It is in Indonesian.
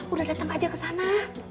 udah datang aja ke sana